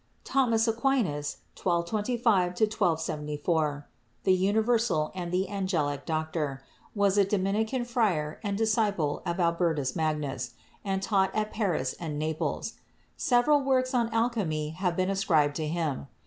Thomas Aquinas (1225 1274), "the universal and the angelic doctor," was a Dominican friar and disciple of Albertus Magnus, and taught at Paris and Naples. Several works on alchemy have been ascribed to him.